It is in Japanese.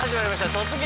「突撃！